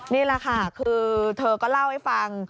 นี่แหละค่ะคือเธอก็เล่าให้ฟัง